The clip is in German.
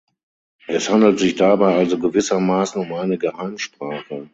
Es handelt sich dabei also gewissermaßen um eine Geheimsprache.